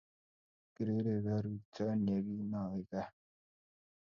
Kiriri karuchon ye kinawe kaa